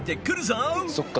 そっか。